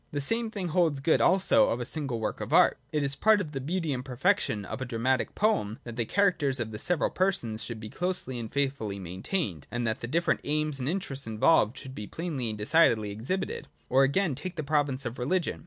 The same thing holds good also of single works of art. It is part of the beauty and perfection of a dramatic poem that the characters of the several persons should be closely and faithfully maintained, and that the different aims and interests involved should be plainly and decidedly exhibited. Or again, take the province of Religion.